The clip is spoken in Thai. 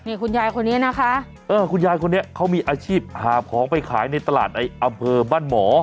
นี่คุณยายคนนี้นะคะเออคุณยายคนนี้เขามีอาชีพหาบของไปขายในตลาดในอำเภอบ้านหมอ